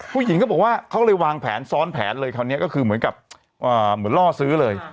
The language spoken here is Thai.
ผู้หญิงก็บอกว่าเขาเลยวางแผนซ้อนแผนเลยคราวนี้ก็คือเหมือนกับเหมือนล่อซื้อเลย